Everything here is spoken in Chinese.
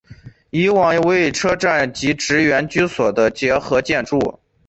以往为车站及职员居所的结合建筑。